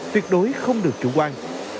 tuyệt đối không được chủ quan